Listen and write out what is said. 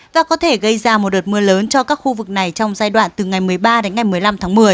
và có thể gây ra một đợt mưa lớn cho các khu vực này trong giai đoạn từ ngày một mươi ba đến ngày một mươi năm tháng một mươi